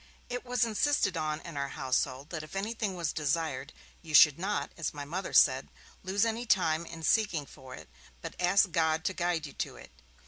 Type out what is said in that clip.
It was insisted on in our household that if anything was desired, you should not, as my Mother said, 'lose any time in seeking for it, but ask God to guide you to it'.